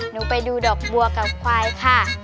ไปดูดอกบัวกับควายค่ะ